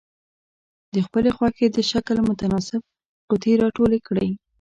د خپلې خوښې د شکل متناسب قطي را ټولې کړئ.